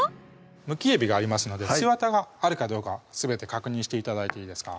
むきえびがありますので背わたがあるかどうかすべて確認して頂いていいですか？